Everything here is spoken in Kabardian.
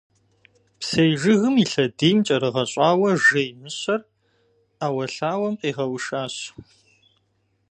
Псей жыгым и лъэдийм кӀэрыгъэщӀауэ жей Мыщэр ӏэуэлъауэм къигъэушащ.